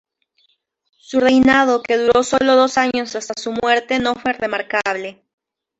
Su reinado, que duró solo dos años hasta su muerte, no fue remarcable.